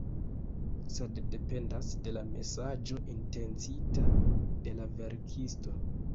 Sed dependas de la mesaĝo intencita de la verkisto.